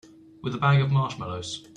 With a bag of marshmallows.